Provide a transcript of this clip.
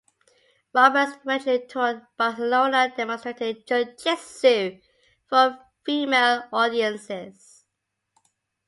Roberts eventually toured Barcelona demonstrating Jujitsu for female audiences.